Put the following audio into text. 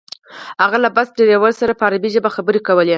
هغه له بس ډریور سره په عربي ژبه خبرې کولې.